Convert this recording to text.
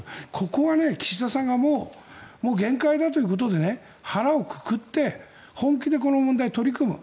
ここは岸田さんがもう限界だということで腹をくくって本気でこの問題に取り組む。